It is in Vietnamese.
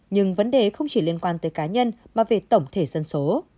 nhưng vấn đề không chỉ liên quan tới cá nhân mà về tổng thể dân số